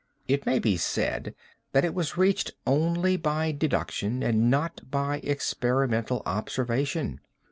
It may be said that it was reached only by deduction and not by experimental observation.